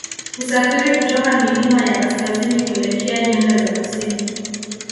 Husafiri kutoka milima ya kaskazini kuelekea nyanda za kusini